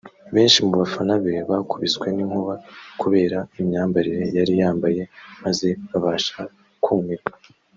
benshi mu bafana be bakubiswe n'inkuba kubera imyambarire yari yambaye maze babasha kumirwa